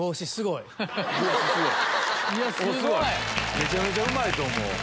めちゃめちゃうまいと思う。